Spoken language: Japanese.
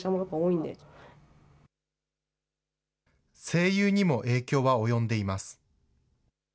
声優にも影響は及んでいます。